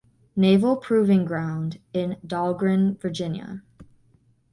Naval Proving Ground in Dahlgren, Virginia.